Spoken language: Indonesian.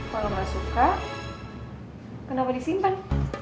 kalau nggak suka kenapa disimpan